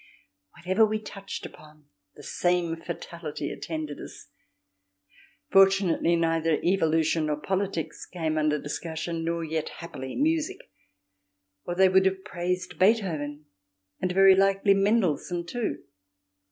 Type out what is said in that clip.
Whatever we touched upon the same fatality attended us. Fortunately neither evolution nor politics came under discussion, nor yet, happily, music, or they would have praised Beethoven and very likely Mendelssohn too.